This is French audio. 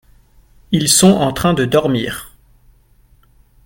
ils sont en train de dormir.